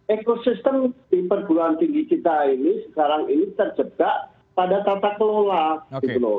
ekosistem di perguruan tinggi kita ini sekarang ini terjebak pada tata kelola gitu loh